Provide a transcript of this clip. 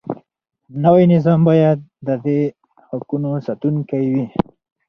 نوی نظام باید د دې حقوقو ساتونکی وي.